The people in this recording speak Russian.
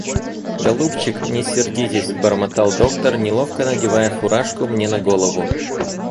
— Голубчик, не сердитесь, — бормотал доктор, неловко надевая фуражку мне на голову.